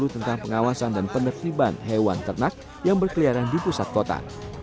tentang pengawasan dan penertiban hewan ternak yang berkeliaran di pusat kota